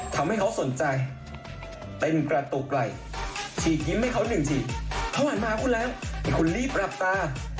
ทำให้เขาสนใจเป็นประตูไกลฉีกยิ้มให้เขาหนึ่งทีเขาหันมาคุณแล้วให้คุณรีบหลับตา